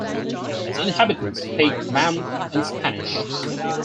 Its inhabitants speak Mam and Spanish.